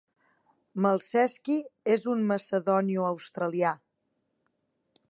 Malceski és un macedonioaustralià.